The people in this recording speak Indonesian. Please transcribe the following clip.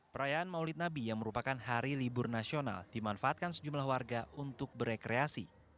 perayaan maulid nabi yang merupakan hari libur nasional dimanfaatkan sejumlah warga untuk berekreasi